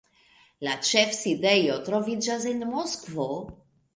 La ĉefsidejo troviĝas en Moskvo.